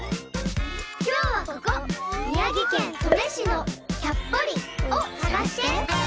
・きょうはここ宮城県登米市の「きゃっぽり」をさがして。